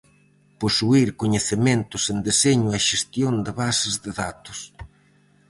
Posuír coñecementos en deseño e xestión de bases de datos.